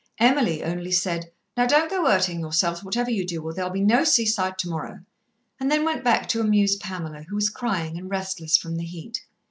Emily only said, "Now don't go hurting yourselves, whatever you do, or there'll be no seaside tomorrow," and then went back to amuse Pamela, who was crying and restless from the heat.